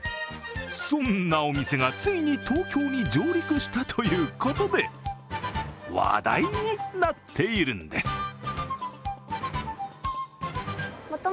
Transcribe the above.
そんなお店がついに東京に上陸したということで話題になっているんです。